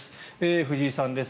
藤井さんです。